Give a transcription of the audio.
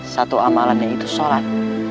satu amalannya itu sholat